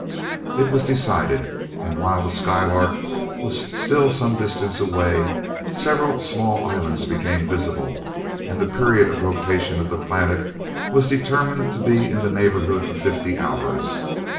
It was decided, and while the Skylark was still some distance away, several small islands became visible, and the period of rotation of the planet was determined to be in the neighborhood of fifty hours.